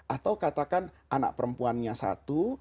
atau katakan anak perempuannya satu